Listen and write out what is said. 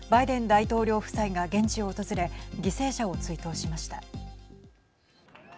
大統領夫妻が現地を訪れ犠牲者を追悼しました。